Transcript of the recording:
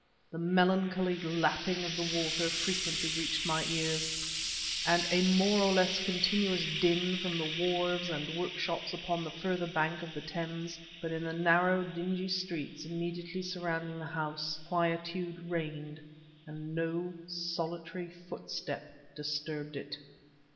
The melancholy lapping of the water frequently reached my ears, and a more or less continuous din from the wharves and workshops upon the further bank of the Thames; but in the narrow, dingy streets immediately surrounding the house, quietude reigned and no solitary footstep disturbed it.